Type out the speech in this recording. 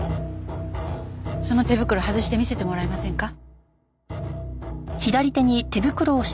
その手袋外して見せてもらえませんか？